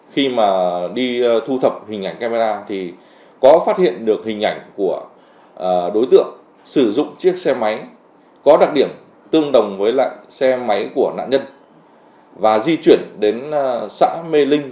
khi mà đi thu thập hình ảnh camera thì có phát hiện được hình ảnh của đối tượng sử dụng chiếc xe máy có đặc điểm tương đồng với lại xe máy của nạn nhân và di chuyển đến xã mê linh